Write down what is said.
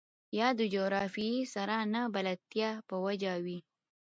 يا د جغرافيې سره نه بلدتيا په وجه وي.